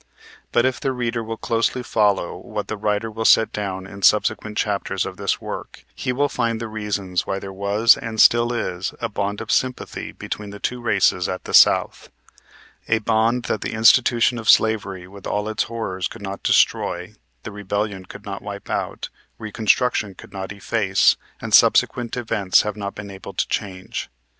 But if the reader will closely follow what this writer will set down in subsequent chapters of this work, he will find the reasons why there was and still is a bond of sympathy between the two races at the South, a bond that the institution of slavery with all its horrors could not destroy, the Rebellion could not wipe out, Reconstruction could not efface, and subsequent events have not been able to change.